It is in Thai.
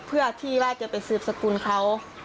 เพื่อที่ว่าจะไปสืบสกุลเขา